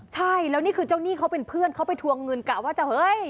ใช่แล้วนี่คือเจ้าหนี้เขาเป็นเพื่อนเขาไปทวงเงินกะว่าจะเฮ้ย